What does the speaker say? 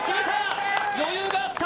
余裕があった。